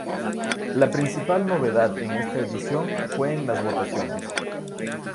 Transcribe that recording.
La principal novedad en esta edición fue en las votaciones.